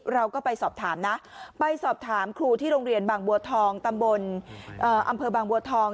เราก็ไปสอบถามนะไปสอบถามครูที่โรงเรียนบางบัวทองตำบลอำเภอบางบัวทอง